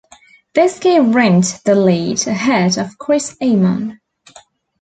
This gave Rindt the lead, ahead of Chris Amon.